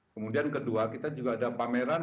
kemudian kedua kita juga ada pameran